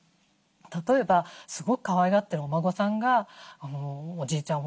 例えばすごくかわいがってるお孫さんが「おじいちゃん